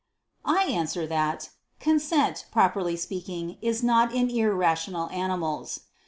I answer that, Consent, properly speaking, is not in irrational animals.